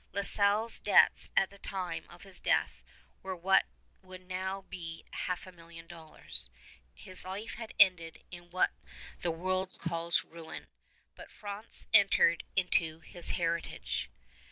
La Salle's debts at the time of his death were what would now be half a million dollars. His life had ended in what the world calls ruin, but France entered into his heritage.